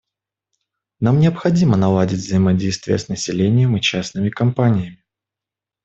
Нам необходимо наладить взаимодействие с населением и частными компаниями.